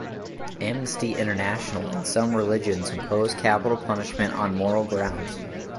Amnesty International and some religions oppose capital punishment on moral grounds.